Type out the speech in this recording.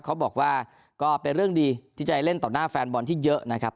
เขาบอกว่าก็เป็นเรื่องดีที่จะเล่นต่อหน้าแฟนบอลที่เยอะนะครับ